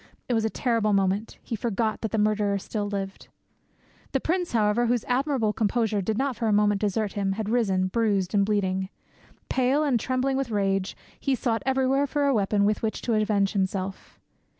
It was a terrible moment; he forgot that the murderer still lived. The prince, however, whose admirable composure did not for a moment desert him, had risen, bruised and bleeding. Pale and trembling with rage, he sought everywhere for a weapon with which to avenge himself.